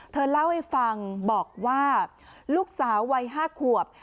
เธอเล่าให้ฟังบอกว่าลูกสาววัย๕ขวบ